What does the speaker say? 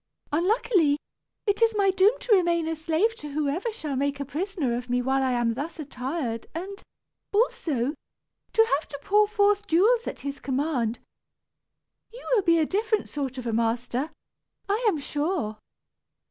Unluckily, it is my doom to remain a slave to whosoever shall make a prisoner of me whilst I am thus attired and, also, to have to pour forth jewels at his command. You will be a different sort of a master, I am sure."